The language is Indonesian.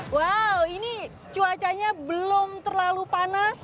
wow ini cuacanya belum terlalu panas